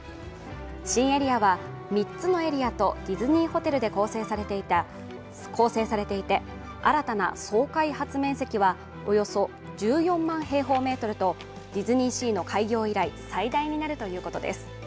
新エリアは３つのエリアとディズニーホテルで構成されていて新たな総開発面積はおよそ１４万平方メートルとディズニーシーの開業以来最大になるということです。